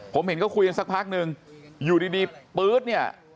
ผมเห็นก็คุยกันสักพักนึงอยู่ดีปื๊ดเนี่ย